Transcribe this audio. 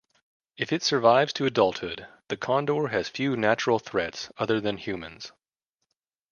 If it survives to adulthood, the condor has few natural threats other than humans.